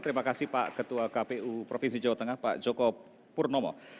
terima kasih pak ketua kpu provinsi jawa tengah pak joko purnomo